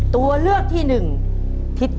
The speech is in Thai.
ตัวเลือกที่หนึ่งทิศใต้